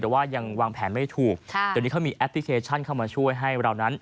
แต่ว่ายังวางแผนไม่ถูกเดี๋ยวนี้เขามีแอปพลิเคชันเข้ามาช่วยให้เรานั้น